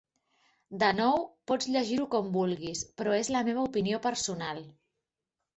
De nou, pots llegir-ho com vulguis, però és la meva opinió personal!